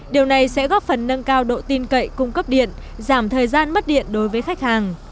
điều này sẽ góp phần nâng cao độ tin cậy cung cấp điện giảm thời gian mất điện đối với khách hàng